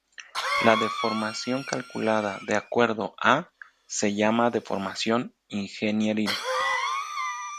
La deformación calculada de acuerdo a se llama deformación ingenieril.